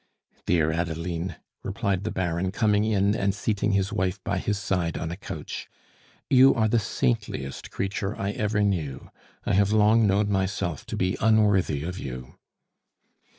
"Dear Adeline," replied the Baron, coming in and seating his wife by his side on a couch, "you are the saintliest creature I ever knew; I have long known myself to be unworthy of you."